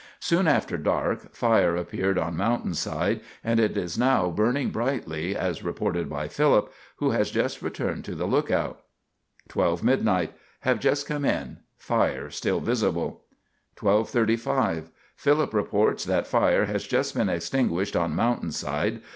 Soon after dark, fire appeared on mountainside, and it is now burning brightly, as reported by Philip, who has just returned to the lookout. "12, midnight. Have just come in fire still visible. "12:35. Philip reports that fire has just been extinguished on mountain side.